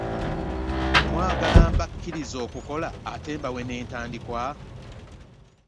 Mwagala mbakkirize okukola ate mbawe n'entandikwa?